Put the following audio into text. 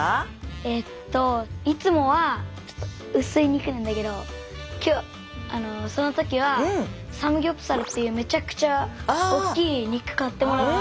えっといつもは薄い肉なんだけどあのその時はサムギョプサルっていうめちゃくちゃおっきい肉買ってもらって。